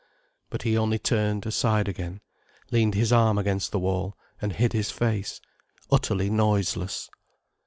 But he only turned aside again, leaned his arm against the wall, and hid his face, utterly noiseless.